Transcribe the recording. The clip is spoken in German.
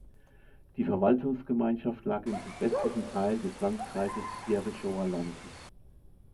Die Verwaltungsgemeinschaft lag im südwestlichen Teil des Landkreises Jerichower Land.